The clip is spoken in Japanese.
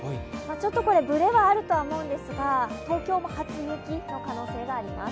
これ、ブレはあると思うんですが東京も初雪の可能性があります。